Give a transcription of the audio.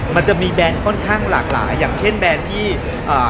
มันจะมีแบรนด์ค่อนข้างหลากหลายอย่างเช่นแบรนด์ที่อ่า